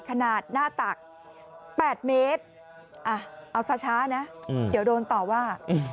ขนาดหน้าตัก๘เมตรเอาช้านะเดี๋ยวโดนต่อว่า